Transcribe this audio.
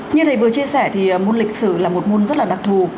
như thầy vừa chia sẻ thì môn lịch sử là một môn rất là đặc thù